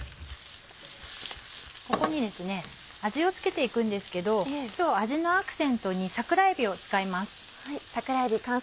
ここに味を付けて行くんですけど今日味のアクセントに桜えびを使います。